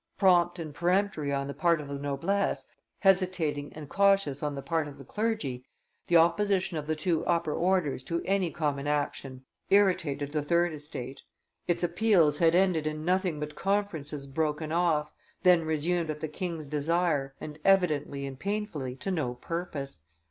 Prompt and peremptory on the part of the noblesse, hesitating and cautions on the part of the clergy, the opposition of the two upper orders to any common action irritated the third estate; its appeals had ended in nothing but conferences broken off, then resumed at the king's desire, and evidently and painfully to no purpose.